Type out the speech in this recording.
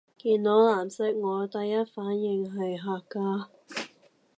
見到藍色我第一反應係客家